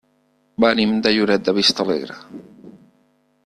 Venim de Lloret de Vistalegre.